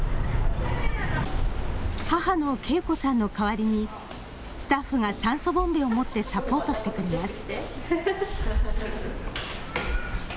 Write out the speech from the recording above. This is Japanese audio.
母の恵子さんの代わりにスタッフが酸素ボンベを持ってサポートしてくれます。